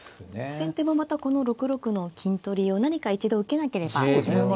先手もまたこの６六の金取りを何か一度受けなければいけませんね。